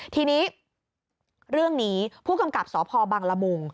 ทีนี้เรื่องนี้ผู้กำกับสพบังละมุง